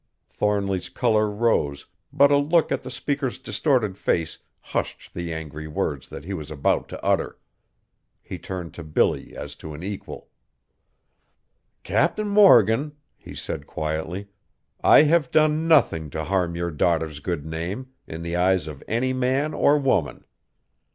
Thornly's color rose, but a look at the speaker's distorted face hushed the angry words he was about to utter. He turned to Billy as to an equal. "Captain Morgan," he said quietly, "I have done nothing to harm your daughter's good name, in the eyes of any man or woman!